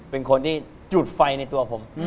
เป็นคนที่จุดไฟในตัวผม